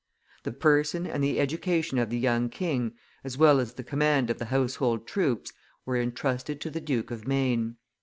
The person and the education of the young king, as well as the command of the household troops, were intrusted to the Duke of Maine.